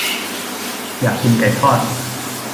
อยากกินไก่ทอด